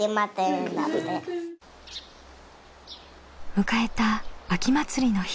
迎えた秋祭りの日。